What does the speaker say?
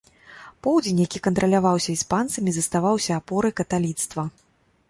Поўдзень, які кантраляваўся іспанцамі, заставаўся апорай каталіцтва.